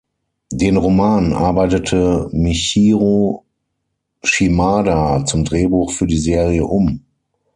Den Roman arbeitete Michiru Shimada zum Drehbuch für die Serie um.